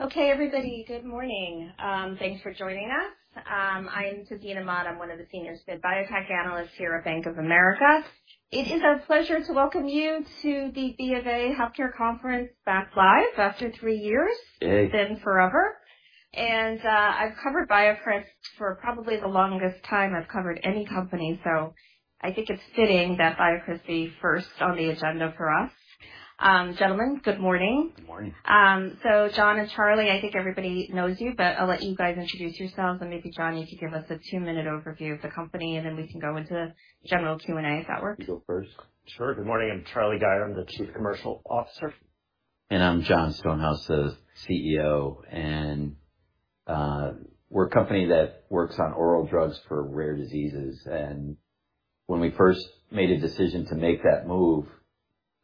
Okay, everybody. Good morning. Thanks for joining us. I am Tazeen Ahmad. I'm one of the Senior SMID biotech analysts here at Bank of America. It is a pleasure to welcome you to the B of A Healthcare Conference, back live after three years. Yay. It's been forever. I've covered BioCryst for probably the longest time I've covered any company, so I think it's fitting that BioCryst be first on the agenda for us. Gentlemen, good morning. Good morning. Jon and Charlie, I think everybody knows you, but I'll let you guys introduce yourselves and maybe Jon, you could give us a two-minute overview of the company, and then we can go into general Q&A, if that works. You go first. Sure. Good morning. I'm Charlie Gayer. I'm the Chief Commercial Officer. I'm Jon Stonehouse, the CEO. We're a company that works on oral drugs for rare diseases and when we first made a decision to make that move,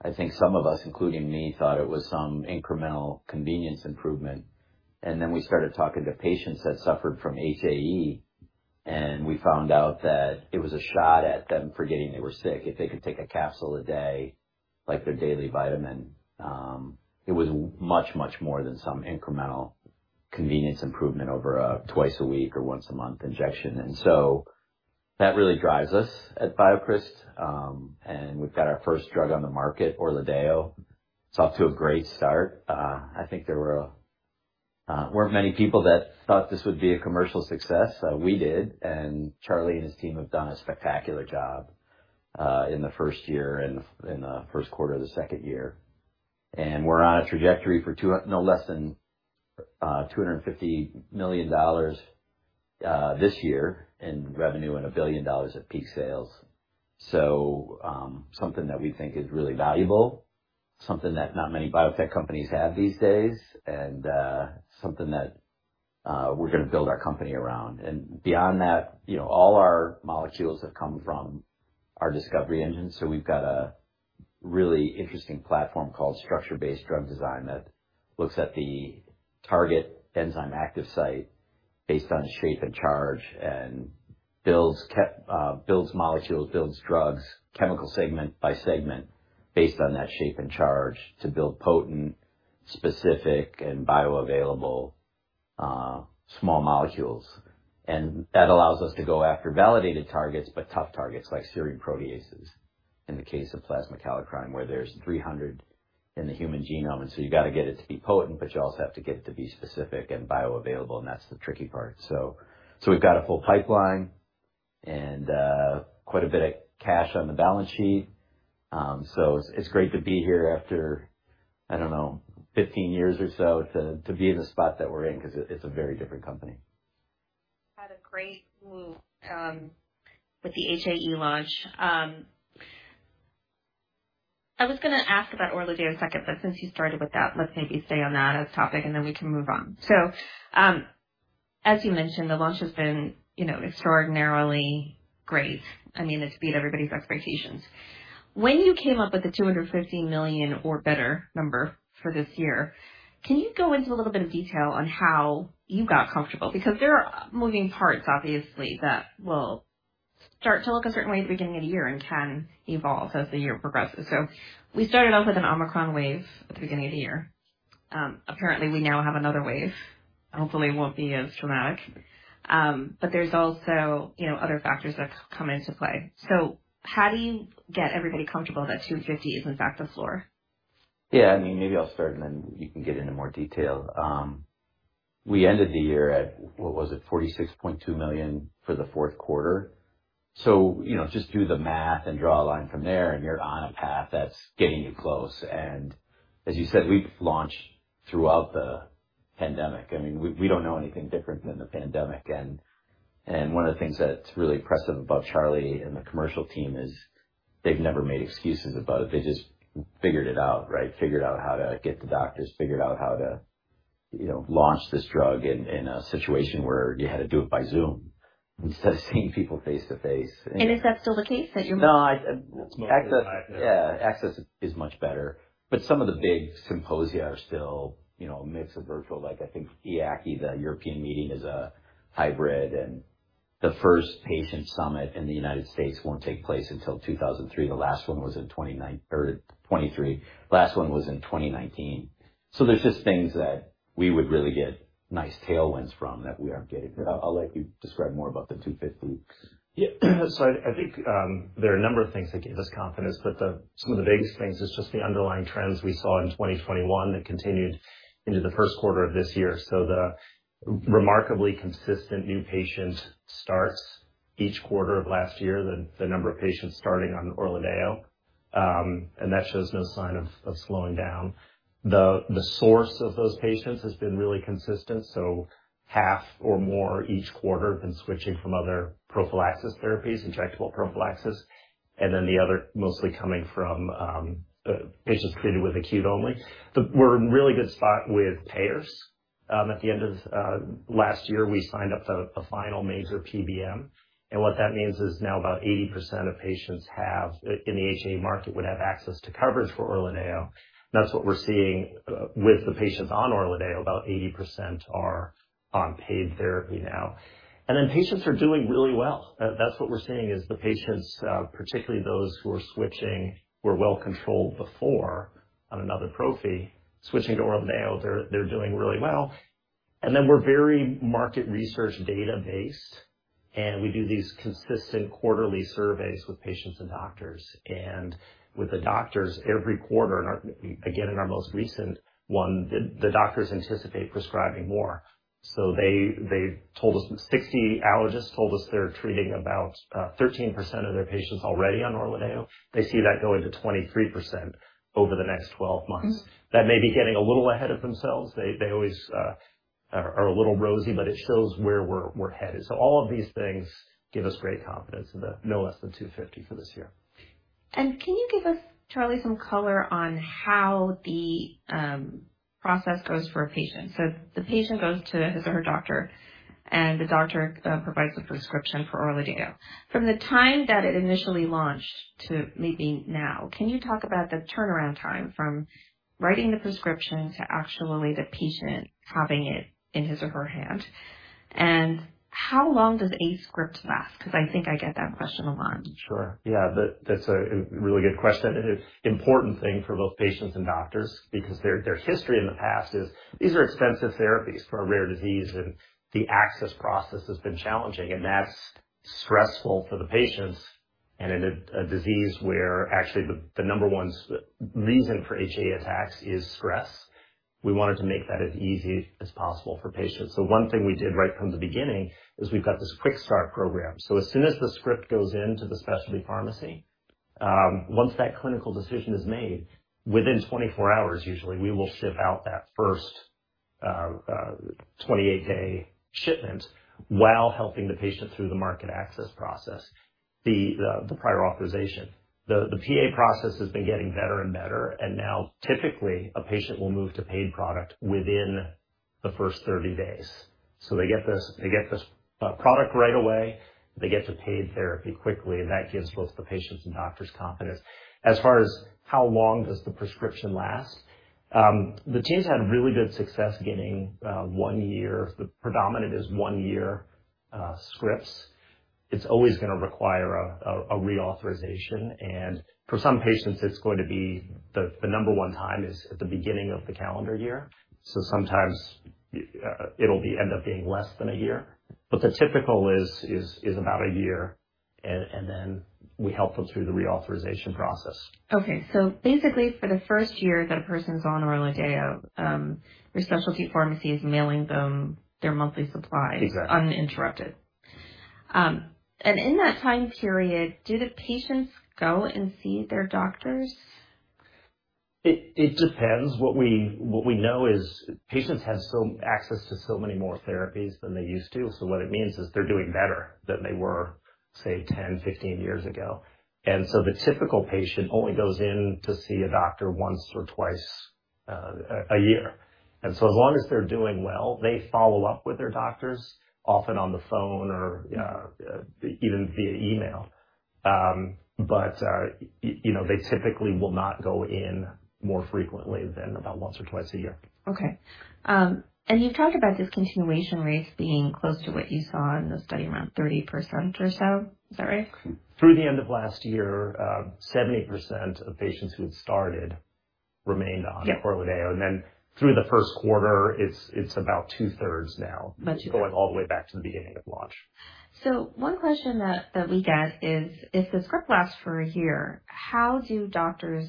I think some of us, including me, thought it was some incremental convenience improvement. Then we started talking to patients that suffered from HAE, and we found out that it was a shot at them forgetting they were sick. If they could take a capsule a day, like their daily vitamin, it was much, much more than some incremental convenience improvement over a twice a week or once a month injection. That really drives us at BioCryst. We've got our first drug on the market, ORLADEYO. It's off to a great start. I think there were, weren't many people that thought this would be a commercial success. We did, Charlie and his team have done a spectacular job in the first year and in the first quarter of the second year. We're on a trajectory for no less than $250 million this year in revenue and $1 billion at peak sales. Something that we think is really valuable, something that not many biotech companies have these days, and something that we're gonna build our company around. Beyond that, you know, all our molecules have come from our discovery engine. We've got a really interesting platform called structure-guided drug design that looks at the target enzyme active site based on shape and charge, and builds molecules, builds drugs, chemically segment by segment based on that shape and charge to build potent, specific and bioavailable small molecules. That allows us to go after validated targets, but tough targets like serine proteases in the case of plasma kallikrein, where there's 300 in the human genome. You've got to get it to be potent, but you also have to get it to be specific and bioavailable, and that's the tricky part. We've got a full pipeline and quite a bit of cash on the balance sheet. It's great to be here after I don't know 15 years or so to be in the spot that we're in 'cause it's a very different company. Had a great move with the HAE launch. I was gonna ask about ORLADEYO in a second, but since you started with that, let's maybe stay on that as topic and then we can move on. As you mentioned, the launch has been, you know, extraordinarily great. I mean, it's beat everybody's expectations. When you came up with the $250 million or better number for this year, can you go into a little bit of detail on how you got comfortable? Because there are moving parts, obviously, that will start to look a certain way at the beginning of the year and can evolve as the year progresses. We started off with an Omicron wave at the beginning of the year. Apparently we now have another wave. Hopefully it won't be as traumatic. There's also, you know, other factors that come into play. How do you get everybody comfortable that $250 is in fact the floor? Yeah. I mean, maybe I'll start and then you can get into more detail. We ended the year at, what was it? $46.2 million for the fourth quarter. You know, just do the math and draw a line from there and you're on a path that's getting you close. As you said, we've launched throughout the pandemic. I mean, we don't know anything different than the pandemic. One of the things that's really impressive about Charlie and the commercial team is they've never made excuses about it. They just figured it out, right? Figured out how to get to doctors, figured out how to, you know, launch this drug in a situation where you had to do it by Zoom instead of seeing people face-to-face. Is that still the case? No, I. It's mostly back, yeah. Yeah, access is much better, but some of the big symposia are still, you know, a mix of virtual. Like, I think EAACI, the European meeting, is a hybrid, and the first patient summit in the United States won't take place until 2023. Last one was in 2019. So there's just things that we would really get nice tailwinds from that we aren't getting. But I'll let you describe more about the 250. Yeah. I think there are a number of things that give us confidence, but some of the biggest things is just the underlying trends we saw in 2021 that continued into the first quarter of this year. The remarkably consistent new patient starts each quarter of last year, the number of patients starting on ORLADEYO, and that shows no sign of slowing down. The source of those patients has been really consistent, so half or more each quarter have been switching from other prophylaxis therapies, injectable prophylaxis, and then the other mostly coming from patients treated with acute only. We're in a really good spot with payers. At the end of last year, we signed up the final major PBM. What that means is now about 80% of patients in the HAE market would have access to coverage for ORLADEYO. That's what we're seeing with the patients on ORLADEYO. About 80% are on paid therapy now. Patients are doing really well. That's what we're seeing is the patients, particularly those who are switching, who were well controlled before on another prophy, switching to ORLADEYO, they're doing really well. We're very market research data-based, and we do these consistent quarterly surveys with patients and doctors. With the doctors every quarter, and again, in our most recent one, the doctors anticipate prescribing more. They told us 60 allergists told us they're treating about 13% of their patients already on ORLADEYO. They see that going to 23% over the next 12 months. That may be getting a little ahead of themselves. They always are a little rosy, but it shows where we're headed. All of these things give us great confidence that no less than $250 for this year. Can you give us, Charlie, some color on how the process goes for a patient? The patient goes to his or her doctor, and the doctor provides a prescription for ORLADEYO. From the time that it initially launched to maybe now, can you talk about the turnaround time from writing the prescription to actually the patient having it in his or her hand? How long does a script last? 'Cause I think I get that question a lot. Sure. Yeah. That's a really good question, and it's important thing for both patients and doctors because their history in the past is these are expensive therapies for a rare disease and the access process has been challenging and that's stressful for the patients. In a disease where actually the number one reason for HAE attacks is stress, we wanted to make that as easy as possible for patients. One thing we did right from the beginning is we've got this quick start program. As soon as the script goes into the specialty pharmacy, once that clinical decision is made, within 24 hours usually, we will ship out that first 28-day shipment while helping the patient through the market access process. The prior authorization. The PA process has been getting better and better, and now typically a patient will move to paid product within the first 30 days. They get this product right away. They get to paid therapy quickly, and that gives both the patients and doctors confidence. As far as how long does the prescription last? The teams had really good success getting one year. The predominant is one year scripts. It's always gonna require a reauthorization. For some patients, it's going to be the number one time is at the beginning of the calendar year. Sometimes it'll end up being less than a year. The typical is about a year. Then we help them through the reauthorization process. Okay. Basically, for the first year that a person's on ORLADEYO, your specialty pharmacy is mailing them their monthly supply. Exactly. In that time period, do the patients go and see their doctors? It depends. What we know is patients have access to so many more therapies than they used to. What it means is they're doing better than they were, say, 10, 15 years ago. The typical patient only goes in to see a doctor once or twice a year. As long as they're doing well, they follow up with their doctors, often on the phone or even via email. You know, they typically will not go in more frequently than about once or twice a year. Okay. You've talked about discontinuation rates being close to what you saw in the study, around 30% or so. Is that right? Through the end of last year, 70% of patients who had started remained on. Yeah. ORLADEYO. Through the first quarter, it's about two-thirds now. Gotcha. Going all the way back to the beginning of launch. One question that we get is: If the script lasts for a year, how do doctors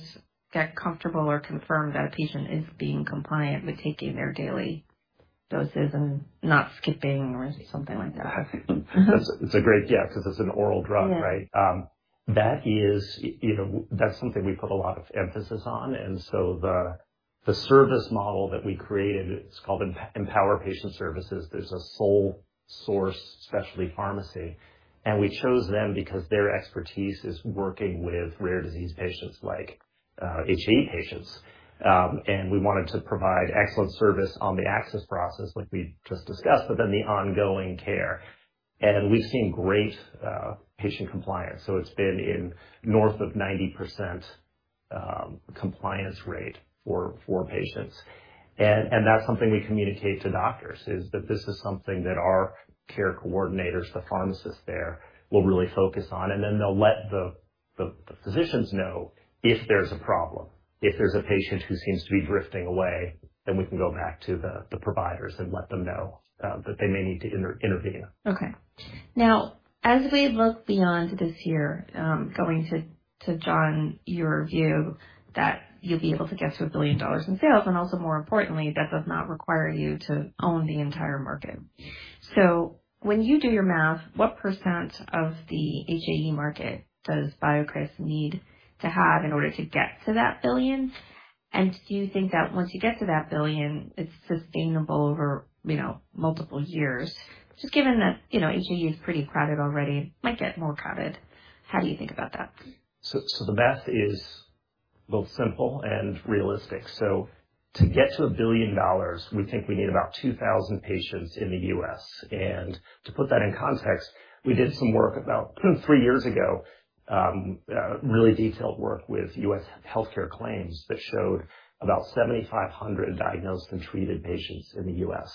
get comfortable or confirm that a patient is being compliant with taking their daily doses and not skipping or something like that? Yeah, 'cause it's an oral drug, right? Yeah. That is, you know, that's something we put a lot of emphasis on. The service model that we created, it's called Empower Patient Services. There's a sole source specialty pharmacy, and we chose them because their expertise is working with rare disease patients like HAE patients. We wanted to provide excellent service on the access process like we just discussed, but then the ongoing care. We've seen great patient compliance. It's been north of 90% compliance rate for patients. That's something we communicate to doctors is that this is something that our care coordinators, the pharmacists there will really focus on. Then they'll let the physicians know if there's a problem. If there's a patient who seems to be drifting away, then we can go back to the providers and let them know that they may need to intervene. Okay. Now, as we look beyond this year, going to Jon, your view that you'll be able to get to $1 billion in sales, and also more importantly, that does not require you to own the entire market. When you do your math, what percent of the HAE market does BioCryst need to have in order to get to that $1 billion? And do you think that once you get to that $1 billion, it's sustainable over, you know, multiple years? Just given that, you know, HAE is pretty crowded already, might get more crowded. How do you think about that? The math is both simple and realistic. To get to $1 billion, we think we need about 2,000 patients in the U.S. To put that in context, we did some work about three years ago, really detailed work with U.S. Healthcare claims that showed about 7,500 diagnosed and treated patients in the U.S.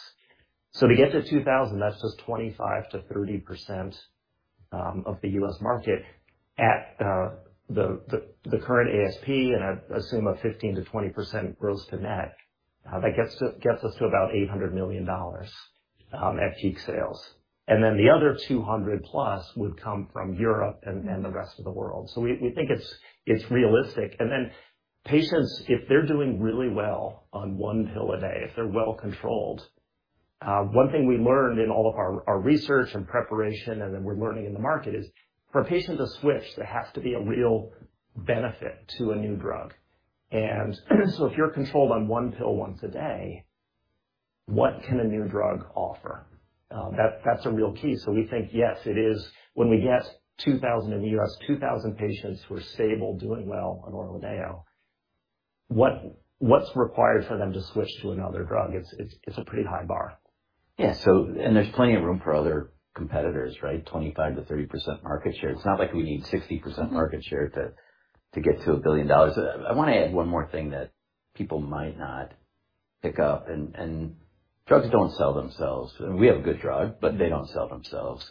To get to 2,000, that's just 25%-30% of the U.S. market at the current ASP and I assume a 15%-20% gross to net, that gets us to about $800 million at peak sales. Then the other $200+ would come from Europe and the rest of the world. We think it's realistic. Patients, if they're doing really well on one pill a day, if they're well controlled. One thing we learned in all of our research and preparation, and then we're learning in the market, is for a patient to switch, there has to be a real benefit to a new drug. If you're controlled on one pill once a day, what can a new drug offer? That's a real key. We think, yes, it is. When we get 2,000 in the U.S., 2,000 patients who are stable, doing well on ORLADEYO, what's required for them to switch to another drug? It's a pretty high bar. Yeah. There's plenty of room for other competitors, right? 25%-30% market share. It's not like we need 60% market share to get to $1 billion. I wanna add one more thing that people might not pick up. Drugs don't sell themselves. We have a good drug, but they don't sell themselves.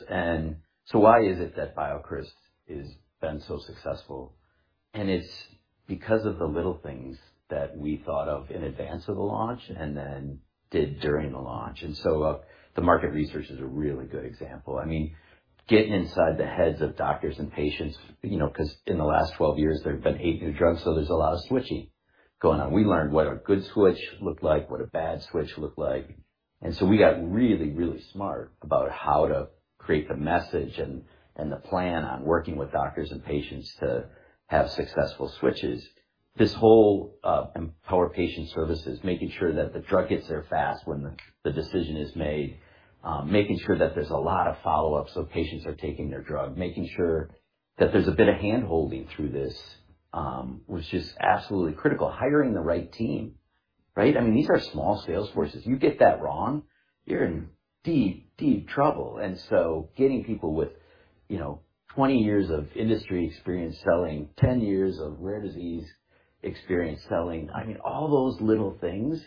The market research is a really good example. I mean, getting inside the heads of doctors and patients, you know, 'cause in the last 12 years, there have been eight new drugs, so there's a lot of switching going on. We learned what a good switch looked like, what a bad switch looked like. We got really, really smart about how to create the message and the plan on working with doctors and patients to have successful switches. This whole Empower Patient Services, making sure that the drug gets there fast when the decision is made, making sure that there's a lot of follow-up, so patients are taking their drug, making sure that there's a bit of hand-holding through this, was just absolutely critical. Hiring the right team, right? I mean, these are small sales forces. You get that wrong, you're in deep, deep trouble. Getting people with, you know, 20 years of industry experience selling, 10 years of rare disease experience selling. I mean, all those little things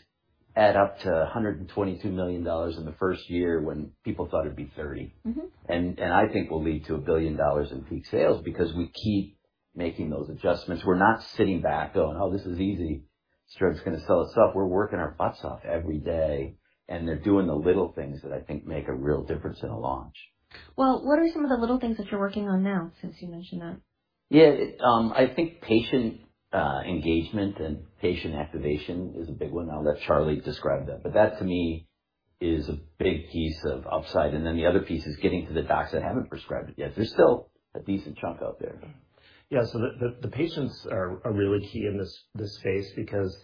add up to $122 million in the first year when people thought it'd be $30 million. Mm-hmm. I think will lead to $1 billion in peak sales because we keep making those adjustments. We're not sitting back going, "Oh, this is easy. This drug's gonna sell itself." We're working our butts off every day, and they're doing the little things that I think make a real difference in a launch. Well, what are some of the little things that you're working on now, since you mentioned that? Yeah. I think patient engagement and patient activation is a big one now that Charlie described that. That to me is a big piece of upside. Then the other piece is getting to the docs that haven't prescribed it yet. There's still a decent chunk out there. Yeah. The patients are really key in this phase because,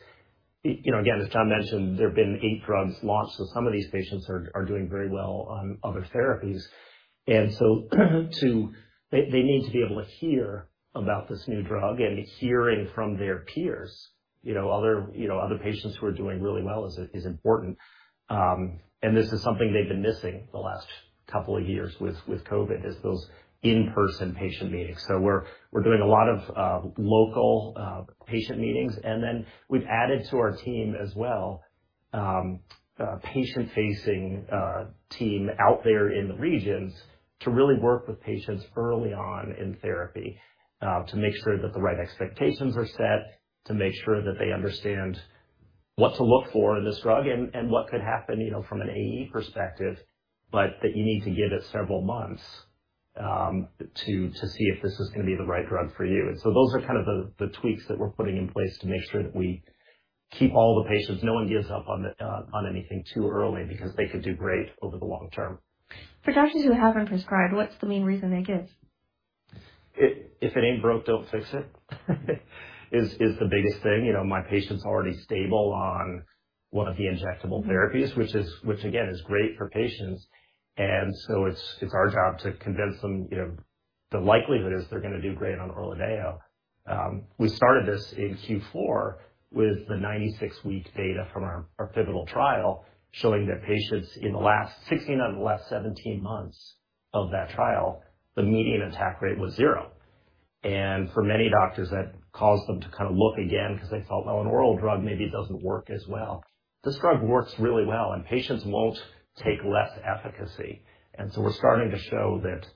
you know, again, as Jon mentioned, there have been eight drugs launched, so some of these patients are doing very well on other therapies. They need to be able to hear about this new drug and hearing from their peers, you know, other patients who are doing really well is important. This is something they've been missing the last couple of years with COVID, those in-person patient meetings. We're doing a lot of local patient meetings, and then we've added to our team as well, a patient-facing team out there in the regions to really work with patients early on in therapy, to make sure that the right expectations are set. To make sure that they understand what to look for in this drug and what could happen, you know, from an AE perspective, but that you need to give it several months, to see if this is gonna be the right drug for you. Those are kind of the tweaks that we're putting in place to make sure that we keep all the patients. No one gives up on anything too early because they could do great over the long term. For doctors who haven't prescribed, what's the main reason they give? If it ain't broke, don't fix it is the biggest thing. You know, my patient's already stable on one of the injectable therapies, which again is great for patients. It's our job to convince them, you know, the likelihood is they're gonna do great on oral ORLADEYO. We started this in Q4 with the 96-week data from our pivotal trial, showing that patients in the last sixteen out of the last seventeen months of that trial, the median attack rate was zero. For many doctors that caused them to kind of look again because they felt, well, an oral drug maybe doesn't work as well. This drug works really well and patients won't take less efficacy. We're starting to show that,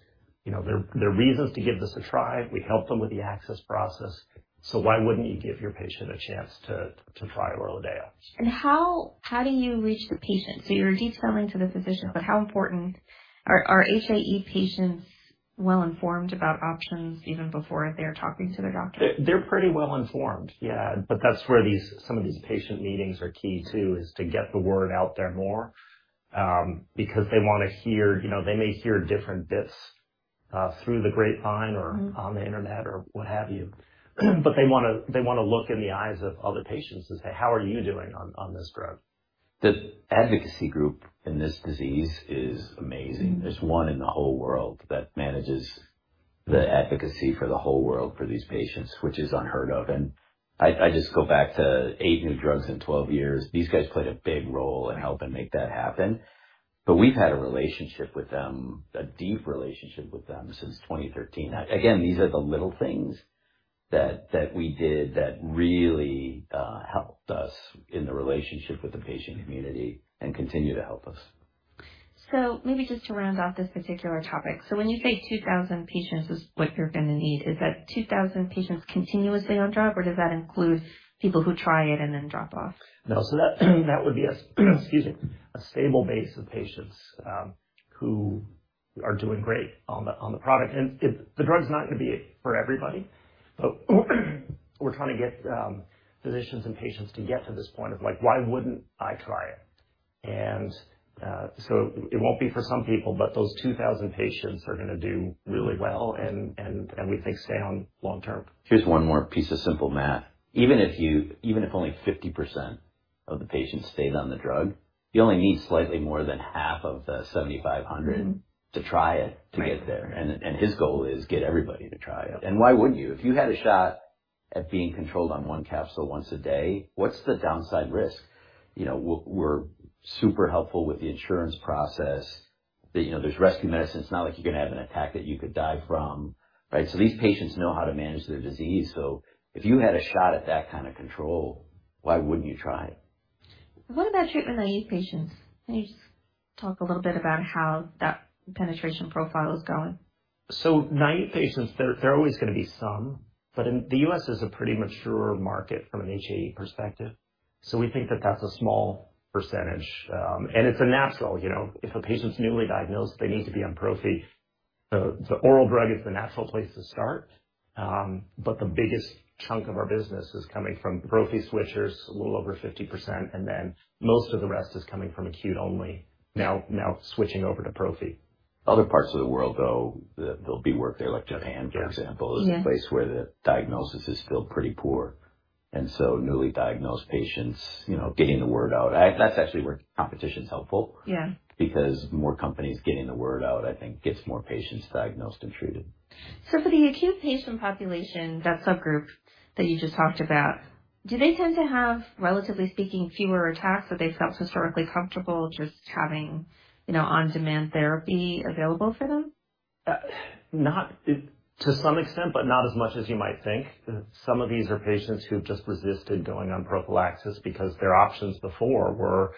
you know, there are reasons to give this a try. We help them with the access process. Why wouldn't you give your patient a chance to try ORLADEYO? How do you reach the patient? You're deep selling to the physicians, but how important are HAE patients well-informed about options even before they're talking to their doctor? They're pretty well-informed. Yeah. But that's where these, some of these patient meetings are key too, is to get the word out there more, because they wanna hear, you know, they may hear different bits, through the grapevine or. Mm-hmm. On the Internet or what have you, but they wanna look in the eyes of other patients and say, "How are you doing on this drug? The advocacy group in this disease is amazing. Mm-hmm. There's one in the whole world that manages the advocacy for the whole world for these patients, which is unheard of. I just go back to eight new drugs in 12 years. These guys played a big role in helping make that happen. We've had a relationship with them, a deep relationship with them since 2013. Again, these are the little things that we did that really helped us in the relationship with the patient community and continue to help us. Maybe just to round off this particular topic. When you say 2,000 patients is what you're gonna need, is that 2,000 patients continuously on drug or does that include people who try it and then drop off? No. That would be, excuse me, a stable base of patients who are doing great on the product. The drug's not gonna be for everybody. We're trying to get physicians and patients to get to this point of like, why wouldn't I try it? It won't be for some people, but those 2,000 patients are gonna do really well and we think stay on long-term. Here's one more piece of simple math. Even if only 50% of the patients stayed on the drug, you only need slightly more than half of the 7,500- Mm-hmm. To try it to get there. His goal is to get everybody to try it. Why wouldn't you? If you had a shot at being controlled on one capsule once a day, what's the downside risk? You know, we're super helpful with the insurance process. You know, there's rescue medicine. It's not like you're gonna have an attack that you could die from, right? These patients know how to manage their disease. If you had a shot at that kind of control, why wouldn't you try it? What about treatment-naive patients? Can you just talk a little bit about how that penetration profile is going? Naive patients, there are always gonna be some, but the U.S. is a pretty mature market from an HAE perspective. We think that that's a small percentage. It's a natural, you know. If a patient's newly diagnosed, they need to be on prophy. The oral drug is the natural place to start. But the biggest chunk of our business is coming from prophy switchers, a little over 50%, and then most of the rest is coming from acute only. Now switching over to prophy. Other parts of the world, though, there'll be work there, like Japan, for example. Yes. It's a place where the diagnosis is still pretty poor. Newly diagnosed patients, you know, getting the word out. Actually, that's actually where competition is helpful. Yeah. Because more companies getting the word out, I think, gets more patients diagnosed and treated. For the acute patient population, that subgroup that you just talked about, do they tend to have, relatively speaking, fewer attacks that they felt historically comfortable just having, you know, on-demand therapy available for them? To some extent, but not as much as you might think. Some of these are patients who've just resisted going on prophylaxis because their options before were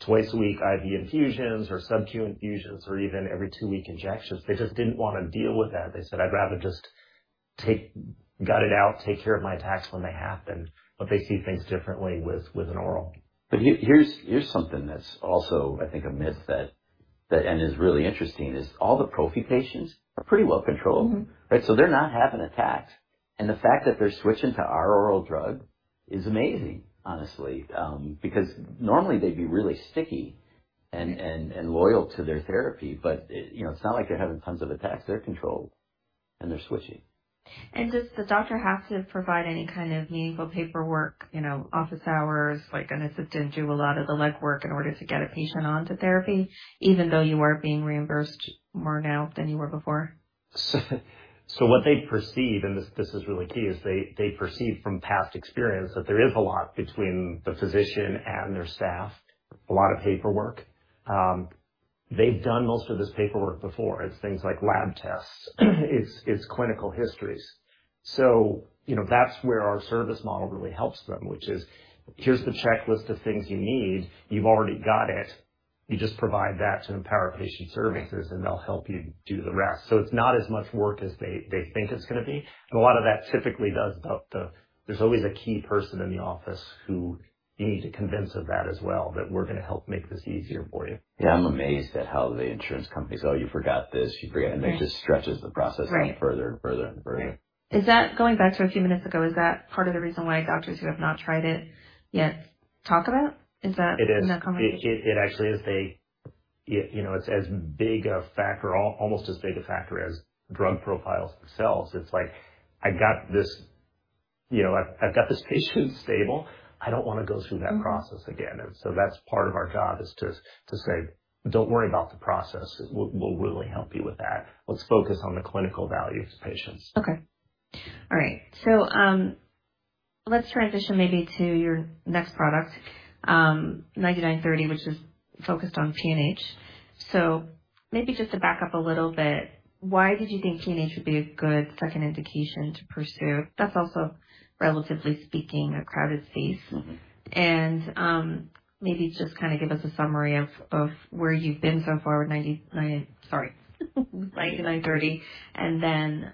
twice a week IV infusions or Sub-Q infusions or even every two-week injections. They just didn't wanna deal with that. They said, "I'd rather just gut it out, take care of my attacks when they happen." They see things differently with an oral. Here's something that's also, I think, a myth that is really interesting, all the prophy patients are pretty well controlled. Mm-hmm. Right? They're not having attacks. The fact that they're switching to our oral drug is amazing, honestly. Because normally they'd be really sticky and loyal to their therapy. You know, it's not like they're having tons of attacks. They're controlled and they're switching. Does the doctor have to provide any kind of meaningful paperwork, you know, office hours, like an assistant, do a lot of the legwork in order to get a patient on to therapy, even though you are being reimbursed more now than you were before? What they perceive, and this is really key, is they perceive from past experience that there is a lot between the physician and their staff. A lot of paperwork. They've done most of this paperwork before. It's things like lab tests. It's clinical histories. You know, that's where our service model really helps them, which is, here's the checklist of things you need. You've already got it. You just provide that to Empower Patient Services, and they'll help you do the rest. It's not as much work as they think it's gonna be. There's always a key person in the office who you need to convince of that as well, that we're gonna help make this easier for you. Yeah. I'm amazed at how the insurance companies, "Oh, you forgot this, you forgot. Right. It just stretches the process out further and further and further. Right. Going back to a few minutes ago, is that part of the reason why doctors who have not tried it yet talk about? It is. In that conversation? It actually is a you know, it's as big a factor or almost as big a factor as drug profiles themselves. It's like, I got this. You know, I've got this patient stable. I don't wanna go through that process again. That's part of our job is to say, "Don't worry about the process. We'll really help you with that. Let's focus on the clinical value to patients. Okay. All right. Let's transition maybe to your next product, 99-30, which is focused on PNH. Maybe just to back up a little bit, why did you think PNH would be a good second indication to pursue? That's also, relatively speaking, a crowded space. Mm-hmm. Maybe just kinda give us a summary of where you've been so far with BCX9930, and then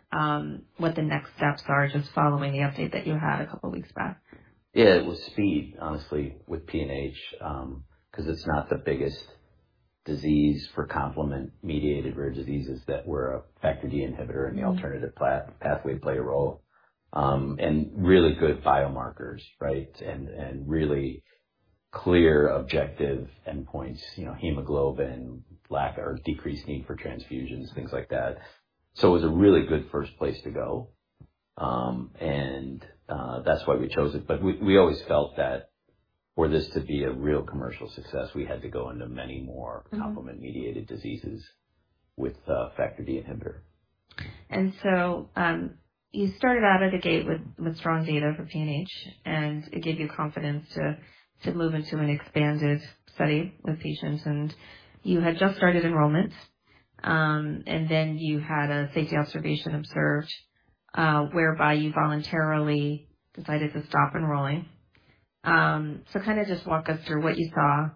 what the next steps are just following the update that you had a couple weeks back. Yeah. It was speed, honestly, with PNH, 'cause it's not the biggest disease for complement-mediated rare diseases that were a factor D inhibitor. Mm-hmm. The alternative pathway play a role, and really good biomarkers, right? And really clear objective endpoints, you know, hemoglobin levels or decreased need for transfusions, things like that. It was a really good first place to go, and that's why we chose it. But we always felt that for this to be a real commercial success, we had to go into many more- Mm-hmm. Complement-mediated diseases with a factor D inhibitor. You started out of the gate with strong data for PNH, and it gave you confidence to move into an expanded study with patients, and you had just started enrollment. You had a safety observation observed, whereby you voluntarily decided to stop enrolling. Kind of just walk us through what you saw,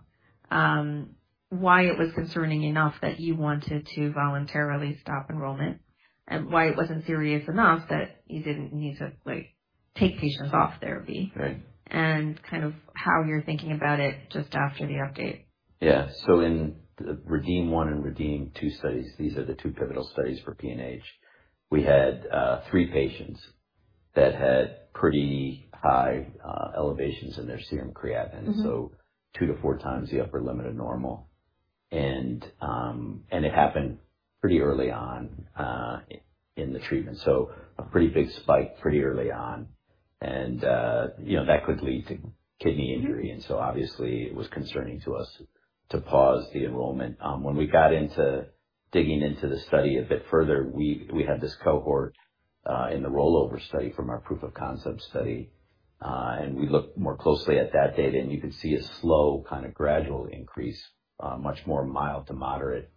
why it was concerning enough that you wanted to voluntarily stop enrollment and why it wasn't serious enough that you didn't need to, like, take patients off therapy. Right. Kind of how you're thinking about it just after the update. Yeah. In the REDEEM-1 and REDEEM-2 studies, these are the two pivotal studies for PNH. We had three patients that had pretty high elevations in their serum creatinine. Mm-hmm. 2-4x the upper limit of normal. It happened pretty early on in the treatment, so a pretty big spike pretty early on. You know, that could lead to kidney injury. Mm-hmm. Obviously it was concerning to us to pause the enrollment. When we got into digging into the study a bit further, we had this cohort in the rollover study from our proof of concept study. We looked more closely at that data, and you could see a slow kind of gradual increase, much more mild to moderate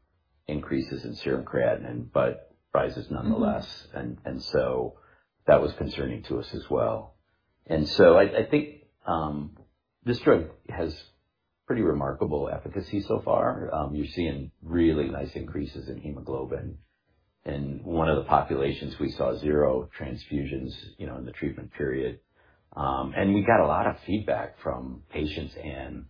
increases in serum creatinine, but rises nonetheless. Mm-hmm. That was concerning to us as well. I think this drug has pretty remarkable efficacy so far. You're seeing really nice increases in hemoglobin. In one of the populations we saw zero transfusions, you know, in the treatment period. We got a lot of feedback from patients and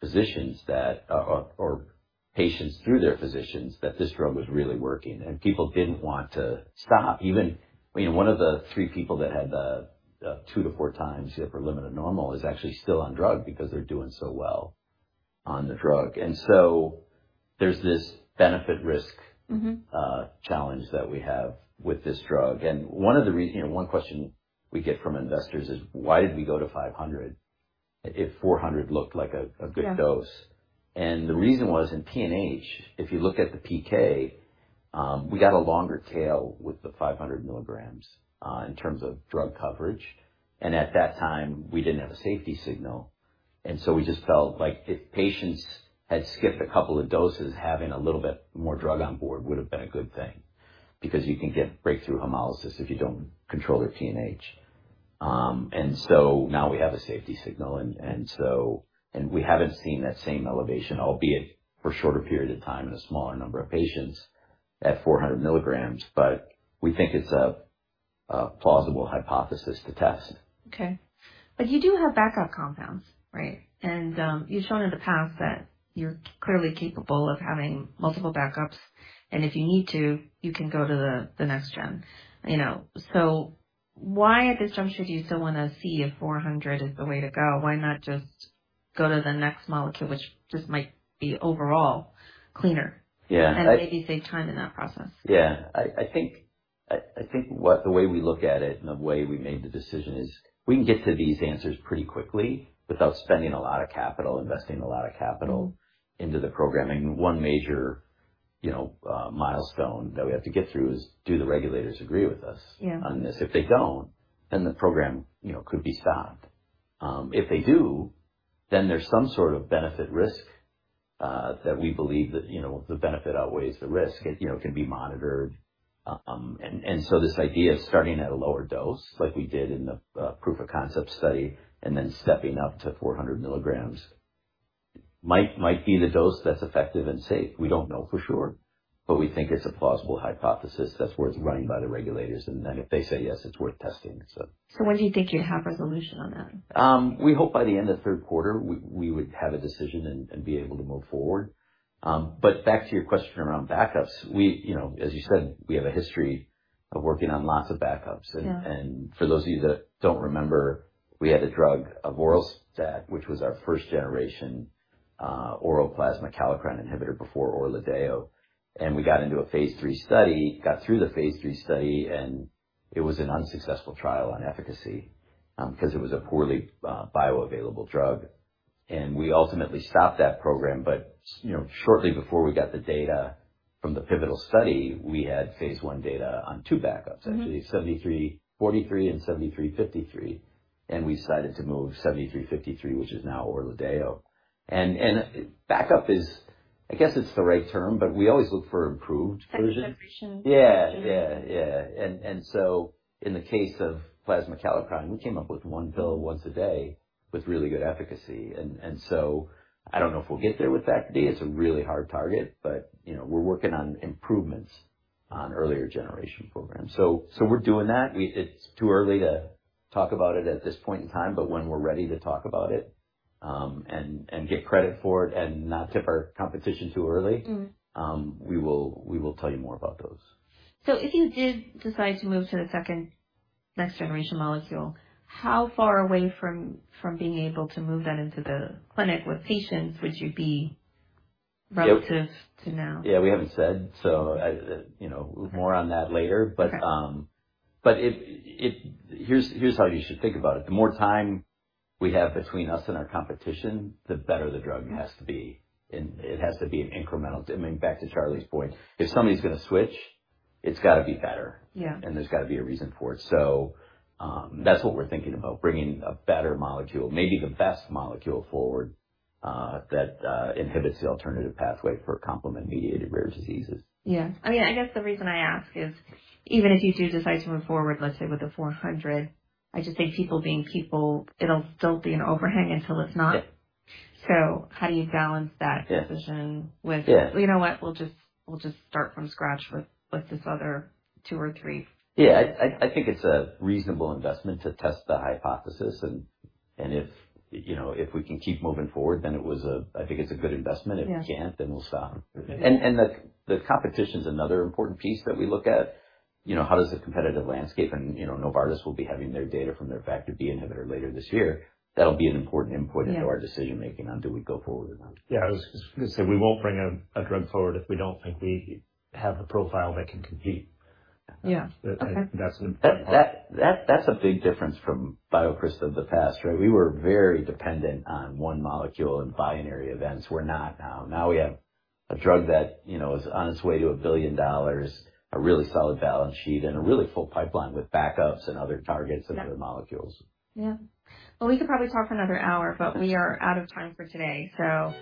physicians that or patients through their physicians that this drug was really working and people didn't want to stop. Even, you know, one of the three people that had the two to four times the upper limit of normal is actually still on drug because they're doing so well on the drug. There's this benefit risk. Mm-hmm. Challenge that we have with this drug. One of the, you know, one question we get from investors is why did we go to 500 if 400 looked like a good dose? Yeah. The reason was in PNH, if you look at the PK, we got a longer tail with the 500 mg, in terms of drug coverage. At that time, we didn't have a safety signal. We just felt like if patients had skipped a couple of doses, having a little bit more drug on board would have been a good thing because you can get breakthrough hemolysis if you don't control their PNH. Now we have a safety signal and we haven't seen that same elevation, albeit for a shorter period of time in a smaller number of patients at 400 mg. We think it's a plausible hypothesis to test. Okay. You do have backup compounds, right? You've shown in the past that you're clearly capable of having multiple backups, and if you need to, you can go to the next gen, you know. Why at this juncture do you still wanna see if 400 is the way to go? Why not just go to the next molecule, which just might be overall cleaner? Yeah. Maybe save time in that process. Yeah. I think the way we look at it and the way we made the decision is we can get to these answers pretty quickly without spending a lot of capital, investing a lot of capital. Mm-hmm. Into the programming. One major, you know, milestone that we have to get through is, do the regulators agree with us? Yeah. On this? If they don't, then the program, you know, could be stopped. If they do, then there's some sort of benefit risk, that we believe that, you know, the benefit outweighs the risk. It, you know, can be monitored. And so this idea of starting at a lower dose like we did in the proof of concept study and then stepping up to 400 mg might be the dose that's effective and safe. We don't know for sure, but we think it's a plausible hypothesis that's worth running by the regulators. Then if they say yes, it's worth testing, so. When do you think you'd have resolution on that? We hope by the end of third quarter, we would have a decision and be able to move forward. Back to your question around backups. We, you know, as you said, we have a history of working on lots of backups. Yeah. For those of you that don't remember, we had a drug avoralstat, which was our first generation oral plasma kallikrein inhibitor before ORLADEYO. We got into a phase three study, got through the phase three study, and it was an unsuccessful trial on efficacy, 'cause it was a poorly bioavailable drug. We ultimately stopped that program. You know, shortly before we got the data from the pivotal study, we had phase one data on two backups. Mm-hmm. Actually BCX7343 and BCX7353, we decided to move BCX7353, which is now ORLADEYO. Backup is, I guess it's the right term, but we always look for improved versions. Yeah. In the case of plasma kallikrein, we came up with one pill once a day with really good efficacy. I don't know if we'll get there with that. It's a really hard target, but, you know, we're working on improvements on earlier generation programs. We're doing that. It's too early to talk about it at this point in time, but when we're ready to talk about it, get credit for it and not tip our competition too early. Mm-hmm. We will tell you more about those. If you did decide to move to the second next generation molecule, how far away from being able to move that into the clinic with patients would you be? Yep. Relative to now? Yeah, we haven't said so. You know, more on that later. Okay. Here's how you should think about it. The more time we have between us and our competition, the better the drug has to be. Yeah. I mean, back to Charlie's point. If somebody's gonna switch, it's gotta be better. Yeah. There's gotta be a reason for it. That's what we're thinking about, bringing a better molecule, maybe the best molecule forward, that inhibits the alternative pathway for complement-mediated rare diseases. Yeah. I mean, I guess the reason I ask is, even if you do decide to move forward, let's say with the $400, I just think people being people, it'll still be an overhang until it's not. Yeah. How do you balance that? Yeah. -decision with- Yeah. You know what, we'll just start from scratch with this other two or three. Yeah. I think it's a reasonable investment to test the hypothesis and if, you know, if we can keep moving forward, then I think it's a good investment. Yeah. If we can't, then we'll stop. Yeah. The competition is another important piece that we look at. You know, how does the competitive landscape and, you know, Novartis will be having their data from their factor B inhibitor later this year. That'll be an important input. Yeah. Onto our decision-making on, do we go forward or not? Yeah, I was just gonna say, we won't bring a drug forward if we don't think we have the profile that can compete. Yeah. Okay. That's an important part. That's a big difference from BioCryst of the past, right? We were very dependent on one molecule and binary events. We're not now. Now we have a drug that, you know, is on its way to $1 billion, a really solid balance sheet and a really full pipeline with backups and other targets. Yeah. Other molecules. Yeah. Well, we could probably talk for another hour, but we are out of time for today, so.